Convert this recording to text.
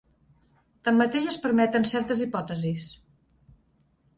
Tanmateix es permeten certes hipòtesis.